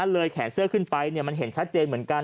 เลยแขนเสื้อขึ้นไปมันเห็นชัดเจนเหมือนกัน